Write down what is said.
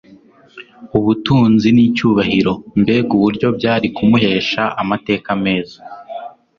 ubutunzi n'icyubahiro, mbega uburyo byari kumuhesha amateka meza